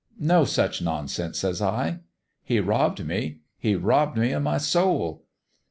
"' No such nonsense 1 ' says I. "' He robbed me he robbed me of my soul.'